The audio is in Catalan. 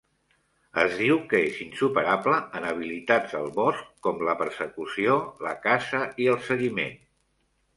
Es diu que és insuperable en habilitats al bosc com la persecució, la caça i el seguiment.